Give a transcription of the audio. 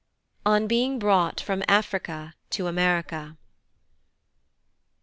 On being brought from Africa to America.